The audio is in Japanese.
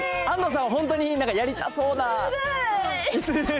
安藤さん、本当にやりたそうな。